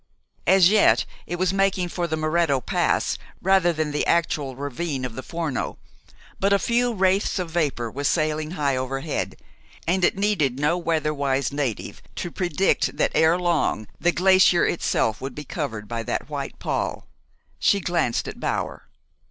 As yet, it was making for the Muretto Pass rather than the actual ravine of the Forno; but a few wraiths of vapor were sailing high overhead, and it needed no weatherwise native to predict that ere long the glacier itself would be covered by that white pall. She glanced at Bower.